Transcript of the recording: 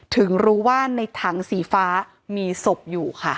ถึงรู้ว่าในถังสีฟ้ามีศพอยู่ค่ะ